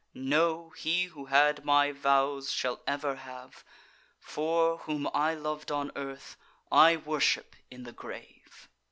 No! he who had my vows shall ever have; For, whom I lov'd on earth, I worship in the grave."